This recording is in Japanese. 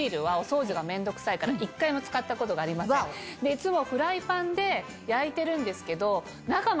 いつも。